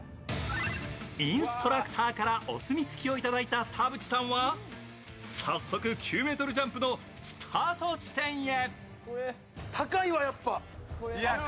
インストラクターからお墨付きをいただいた田渕さんは早速９ｍジャンプのスタート地点へ。